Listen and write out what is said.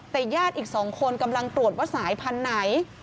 แต่ญาติอีก๒คนกำลังตรวจว่าสายพันธุ์ไหน